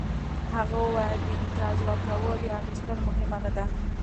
هغه وویل د امتیاز ورکول یا اخیستل مهمه نه ده